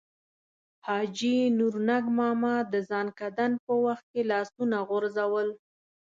حاجي نورنګ ماما د ځنکدن په وخت کې لاسونه غورځول.